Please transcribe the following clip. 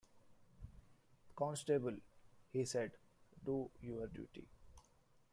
"Constable," he said, "do your duty."